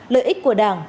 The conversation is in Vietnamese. lợi ích của đảng